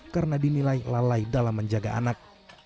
karena dinilai lalai dalam menjaga anak